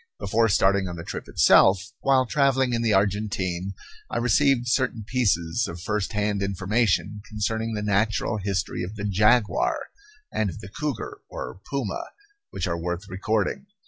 Before starting on the trip itself, while travelling in the Argentine, I received certain pieces of first hand information concerning the natural history of the jaguar, and of the cougar, or puma, which are worth recording.